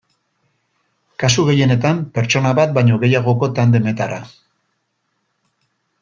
Kasu gehienetan, pertsona bat baino gehiagoko tandemetara.